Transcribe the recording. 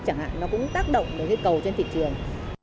chẳng hạn nó cũng tác động đến cái cầu trên thị trường